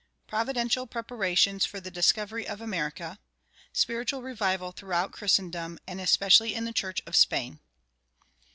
PROVIDENTIAL PREPARATIONS FOR THE DISCOVERY OF AMERICA SPIRITUAL REVIVAL THROUGHOUT CHRISTENDOM, AND ESPECIALLY IN THE CHURCH OF SPAIN.